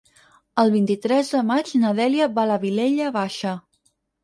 El vint-i-tres de maig na Dèlia va a la Vilella Baixa.